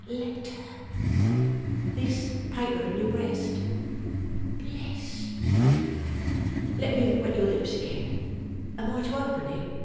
Letter.' 'This paper in your breast?' 'Bless ye!' 'Let me wet your lips again. Am I to open it?